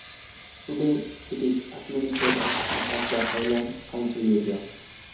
Today it is administered as part of the Highland Council area.